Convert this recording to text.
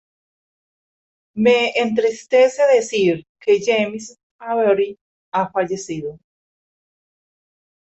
Me entristece decir que James Avery ha fallecido.